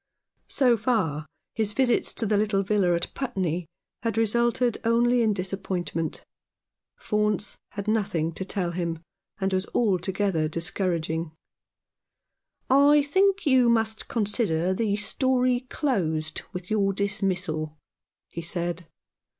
So far his visits to the little villa at Putney had resulted only in disappointment. Faunce had nothing to tell him, and was altogether discouraging. " I think you must consider the story closed with your dismissal," he said.